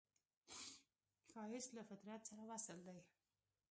ښایست له فطرت سره وصل دی